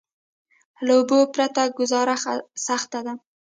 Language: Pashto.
له اوبو پرته ګذاره سخته ده.